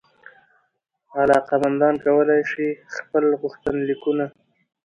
علاقمندان کولای سي خپل غوښتنلیکونه